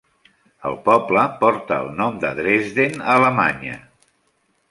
El poble porta el nom de Dresden, a Alemanya.